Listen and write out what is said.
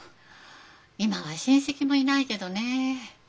今は親戚もいないけどね。